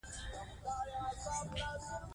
هر خوښي لګښت لري.